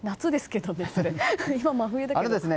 今は真冬だけど。